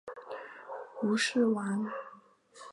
吴氏亡。